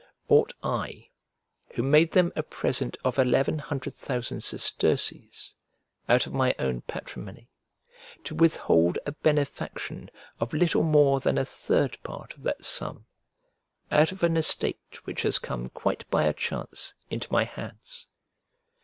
Ought I, who made them a present of eleven hundred thousand sesterces out of my own patrimony, to withhold a benefaction of little more than a third part of that sum out of an estate which has come quite by a chance into my hands?